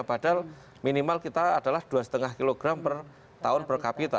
padahal minimal kita adalah dua lima kg per tahun per kapita